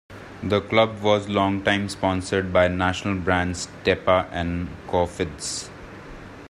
The club was longtime sponsored by national brands Tepa and Cofidis.